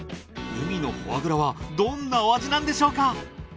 海のフォアグラはどんなお味なんでしょうか？